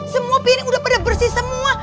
semua piring udah pada bersih semua